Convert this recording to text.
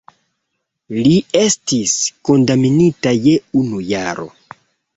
Li estis kondamnita je unu jaro.